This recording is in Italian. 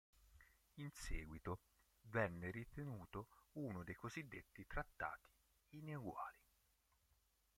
In seguito venne ritenuto uno dei cosiddetti "trattati ineguali".